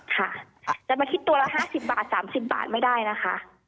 ค่ะจะมาคิดตัวละ๕๐บาท๓๐บาทไม่ได้นะคะ